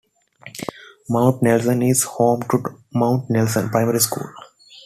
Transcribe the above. Mount Nelson is home to Mount Nelson Primary School.